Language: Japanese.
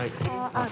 あっ。